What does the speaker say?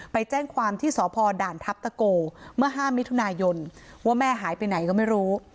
ไปแจ้งความที่สพด่านทัพตะโกเมื่อ๕มิถุนายนว่าแม่หายไปไหนก็ไม่รู้